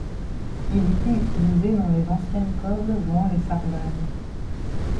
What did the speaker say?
Il était utilisé dans les anciennes cobles jouant les sardanes.